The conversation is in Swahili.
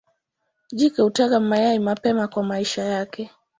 Jike hutaga mayai mapema kwa maisha yake.